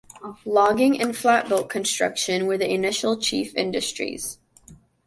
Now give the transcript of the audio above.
Logging and flatboat construction were the initial chief industries.